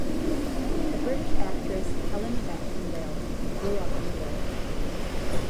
The British actress Helen Baxendale grew up in the village.